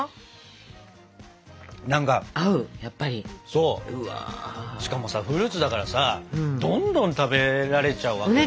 そうしかもさフルーツだからさどんどん食べられちゃうわけよ。